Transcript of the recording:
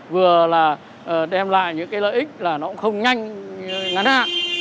vừa là đem lại những cái lợi ích là nó cũng không nhanh ngắn hạn